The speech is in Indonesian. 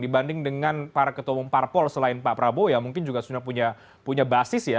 dibanding dengan para ketua umum parpol selain pak prabowo ya mungkin juga sudah punya basis ya